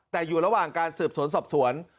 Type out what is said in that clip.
แต่อยู่ระหว่างการสืบสวนสอบสวน